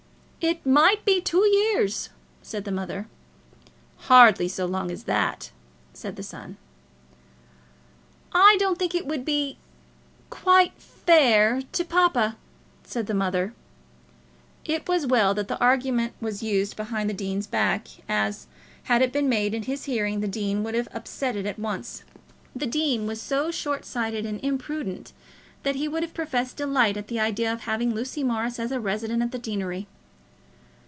"It might be two years," said the mother. "Hardly so long as that," said the son. "I don't think it would be quite fair to papa," said the mother. It was well that the argument was used behind the dean's back, as, had it been made in his hearing, the dean would have upset it at once. The dean was so short sighted and imprudent, that he would have professed delight at the idea of having Lucy Morris as a resident at the deanery.